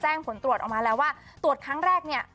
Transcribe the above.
ผลตรวจออกมาแล้วว่าตรวจครั้งแรกเนี่ย